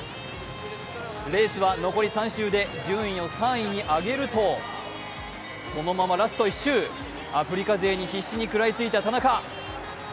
レースは残り３周で順位を３位に上げるとそのままラスト１周、アフリカ勢に必死に食らいついた田中。